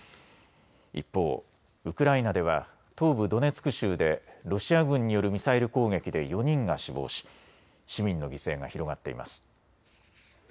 一方、ウクライナでは東部ドネツク州でロシア軍によるミサイル攻撃で４人が死亡し市民の犠牲が広がっています。